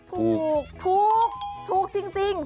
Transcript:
ถูกถูกจริง